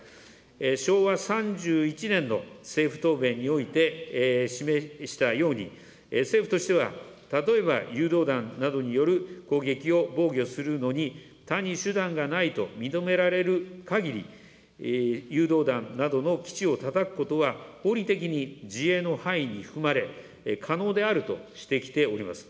昭和３１年の政府答弁において示したように、政府としては、例えば、誘導弾などによる攻撃を防御するのに、他に手段がないと認められるかぎり、誘導弾などの基地をたたくことは合理的に自衛の範囲に含まれ、可能であるとしてきております。